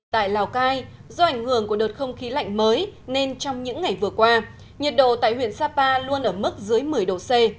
tại lào cai do ảnh hưởng của đợt không khí lạnh mới nên trong những ngày vừa qua nhiệt độ tại huyện sapa luôn ở mức dưới một mươi độ c